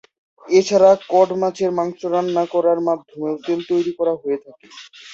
এছাড়া কড মাছের মাংস রান্না করার মাধ্যমেও তেল তৈরি করা হয়ে থাকে।